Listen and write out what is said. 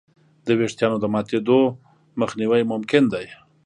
د وېښتیانو د ماتېدو مخنیوی ممکن دی.